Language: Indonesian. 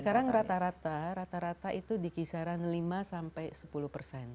sekarang rata rata rata itu di kisaran lima sampai sepuluh persen